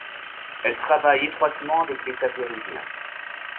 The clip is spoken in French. Elle travaille étroitement avec l'État péruvien.